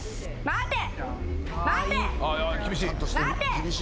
待て。